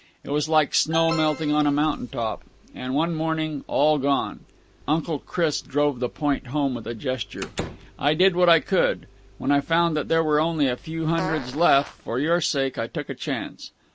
It was like snow melting on a mountain top. And one morning all gone!" Uncle Chris drove the point home with a gesture. "I did what I could. When I found that there were only a few hundreds left, for your sake I took a chance.